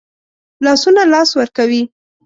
لاسونه لاس ورکوي